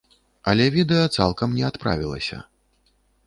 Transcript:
Але відэа цалкам не адправілася.